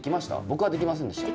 僕はできませんでした。